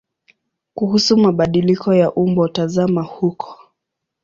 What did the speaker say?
Kuhusu mabadiliko ya umbo tazama huko.